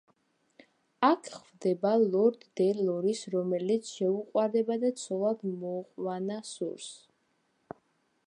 აქ ხვდება ლორ დე ლორის, რომელიც შეუყვარდება და ცოლად მოყვანა სურს.